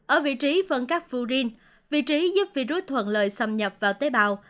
ở vị trí phân các furin vị trí giúp virus thuận lợi xâm nhập vào tế bào